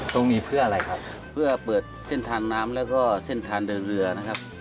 ตรงนี้เพื่ออะไรครับเพื่อเปิดเส้นทางน้ำแล้วก็เส้นทางเดินเรือนะครับ